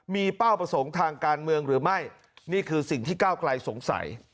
มีเป้าประสงค์ทางการเมืองหรือไม่นี่คือสิ่งที่ก้าวไกลสงสัย